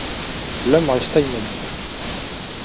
L’homme resta immobile.